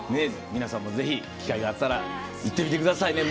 皆さんもぜひ機会があったら行ってみてください。